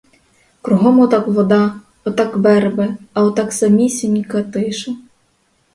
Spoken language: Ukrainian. Кругом отак вода, отак верби, а отак самісінька тиша.